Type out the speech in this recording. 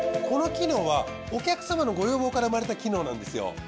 この機能はお客様のご要望から生まれた機能なんですよ。